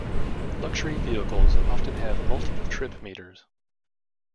Luxury vehicles often have multiple trip meters.